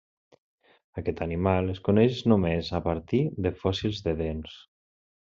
Aquest animal es coneix només a partir de fòssils de dents.